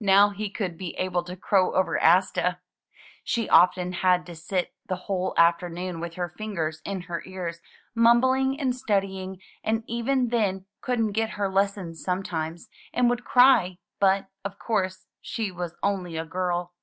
Now he could be able to crow over Asta. She often had to sit the whole afternoon with her fingers in her ears, mumbling and studying, and even then couldn't get her lessons sometimes, and would cry; but, of course, she was only a girl.